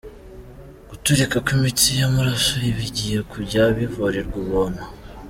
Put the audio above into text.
Guturika kw’imitsi y’amaraso bigiye kujya bivurirwa ubuntu